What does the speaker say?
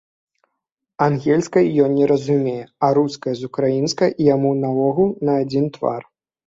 Ангельскай ён не разумее, а руская з украінскай яму наогул на адзін твар.